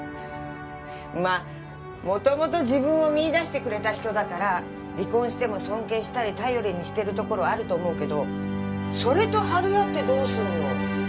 まあ元々自分を見いだしてくれた人だから離婚しても尊敬したり頼りにしてるところはあると思うけどそれと張り合ってどうすんの？